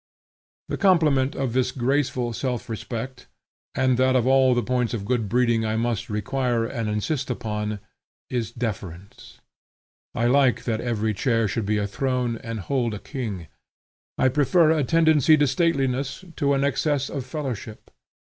The complement of this graceful self respect, and that of all the points of good breeding I most require and insist upon, is deference. I like that every chair should be a throne, and hold a king. I prefer a tendency to stateliness to an excess of fellowship.